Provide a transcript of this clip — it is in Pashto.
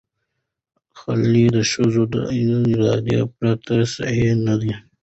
خلع د ښځې د ارادې پرته صحیح نه دی.